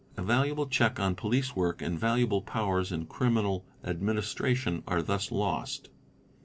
A valuable check on Police work and valuable powers in criminal administration are thus lost.